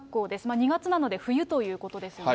２月なので、冬ということですよね。